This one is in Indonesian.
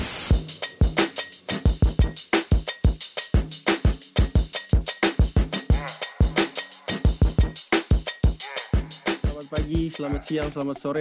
selamat pagi selamat siang selamat sore